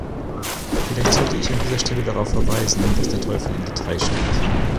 Vielleicht sollte ich an dieser Stelle darauf verweisen, dass der Teufel im Detail steckt.